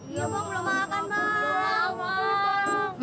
iya bang belum makan apa